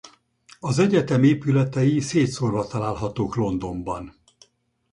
Az egyetem épületei szétszórva találhatók Londonban.